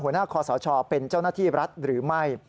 คอสชเป็นเจ้าหน้าที่รัฐหรือไม่